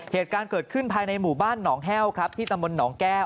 เหตุการณ์เกิดขึ้นภายในหมู่บ้านหนองแห้วครับที่ตำบลหนองแก้ว